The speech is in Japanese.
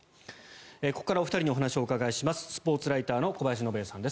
ここからお二人にお話をお伺いします。